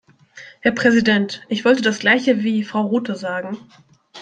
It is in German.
Herr Präsident, ich wollte das gleiche wie Frau Rothe sagen.